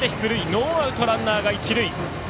ノーアウト、ランナーが一塁。